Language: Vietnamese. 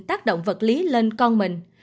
tác động vật lý lên con mình